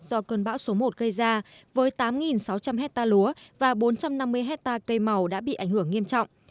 do cơn bão số một gây ra với tám sáu trăm linh hectare lúa và bốn trăm năm mươi hectare cây màu đã bị ảnh hưởng nghiêm trọng